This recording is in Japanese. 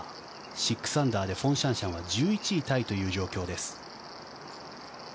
６アンダーでフォン・シャンシャンは１１位タイという状況です。